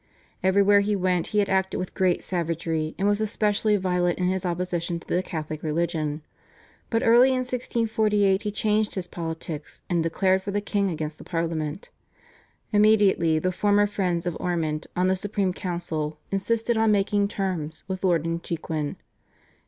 Everywhere he went he had acted with great savagery, and was especially violent in his opposition to the Catholic religion. But early in 1648 he changed his politics, and declared for the king against the Parliament. Immediately the former friends of Ormond on the Supreme Council insisted on making terms with Lord Inchiquin.